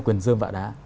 quyền rơm vạ đá